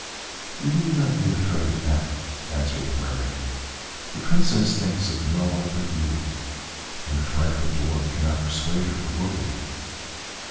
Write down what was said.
"You need not be afraid of that," answered the Mermaid, "the Princess thinks of no one but you, and the frightful Dwarf cannot persuade her to look at him."